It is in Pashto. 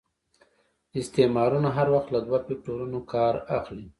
استعمارونه هر وخت له دوه فکټورنو کار اخلي.